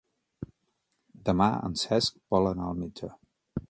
Demà en Cesc vol anar al metge.